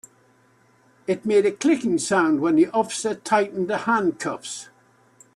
It made a clicking sound when the officer tightened the handcuffs.